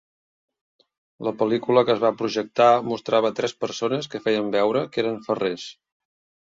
La pel·lícula que es va projectar mostrava tres persones que feien veure que eren ferrers.